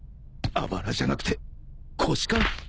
あばらじゃなくて腰か？